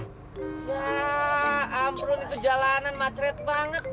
wah amrun itu jalanan macet banget